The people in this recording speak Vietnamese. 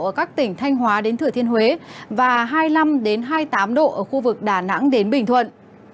ở các tỉnh thanh hóa đến thửa thiên huế và hai mươi năm hai mươi tám độ ở khu vực đà nẵng đến bình thuận